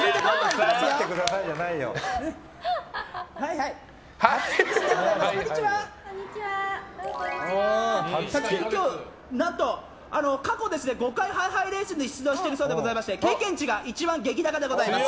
たつき君は過去５回、ハイハイレースに出場しているそうでございまして経験値が一番出来高でございます。